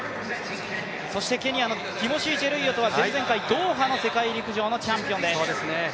ケニアのティモシー・チェルイヨトは前々回、ドーハの世界陸上のチャンピオンです。